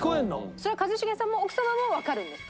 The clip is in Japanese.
それは一茂さんも奥様もわかるんですか？